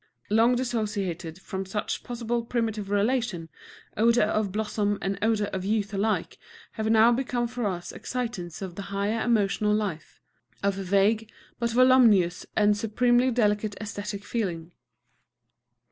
Long dissociated from such possible primitive relation, odor of blossom and odor of youth alike have now become for us excitants of the higher emotional life, of vague but voluminous and supremely delicate æsthetic feeling.